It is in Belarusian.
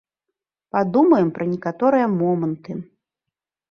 Падумаем пра некаторыя моманты.